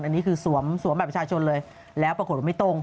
อันนี้คือสวมบัตรประชาชนเลยแล้วปรากฏว่าไม่ตรง